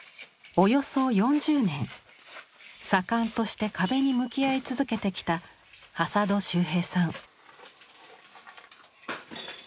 およそ４０年左官として壁に向き合い続けてきた挾土秀平さん。